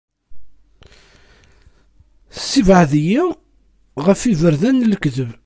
Ssebɛed-iyi ɣef yiberdan n lekdeb.